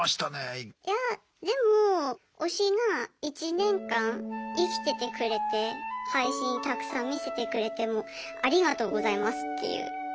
いやでも推しが１年間生きててくれて配信たくさん見せてくれてありがとうございますっていう気持ち。